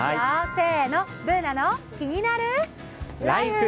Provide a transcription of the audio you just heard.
せーの「ＢｏｏｎａのキニナルＬＩＦＥ」！